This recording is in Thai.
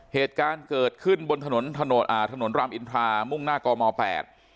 เหตุการณ์เกิดขึ้นบนถนนถนนอ่าถนนรามอินทรามุ่งหน้ากมแปด